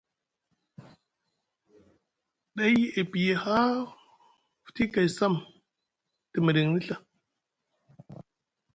Ɗay e piyi haa futi kay sam te miɗiŋni Ɵa.